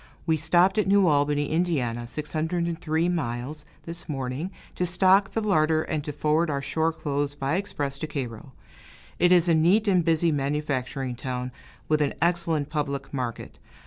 We stopped at New Albany, Ind. (603 miles), this morning, to stock the larder and to forward our shore clothes by express to Cairo. It is a neat and busy manufacturing town, with an excellent public market.